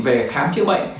về khám chữa bệnh